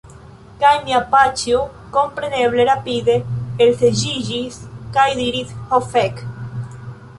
Kaj mia paĉjo, kompreneble, rapide elseĝiĝis, kaj diris: "Ho fek!"